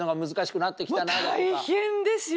もう大変ですよ